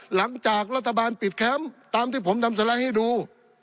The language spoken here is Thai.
หลังจากรัฐบาลปิดแคมป์ตามที่ผมนำสไลด์ให้ดู